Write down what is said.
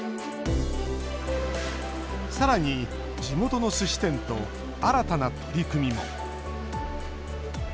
さらに、地元のすし店と新たな取り組みも。